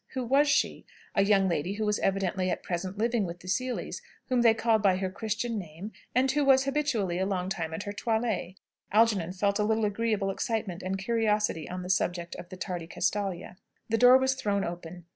Who was she? A young lady who was evidently at present living with the Seelys, whom they called by her Christian name, and who was habitually a long time at her toilet! Algernon felt a little agreeable excitement and curiosity on the subject of the tardy Castalia. The door was thrown open.